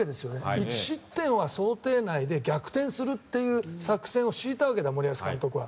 １失点は想定内で逆転するという作戦を敷いたわけだ、森保監督は。